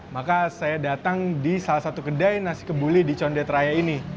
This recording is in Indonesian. maka saya datang di salah satu kedai nasi kebuli di condet raya ini